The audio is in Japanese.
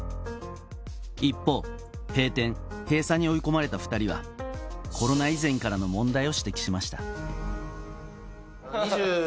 一方、閉店、閉鎖に追い込まれた２人は、コロナ以前からの問題を指摘しました。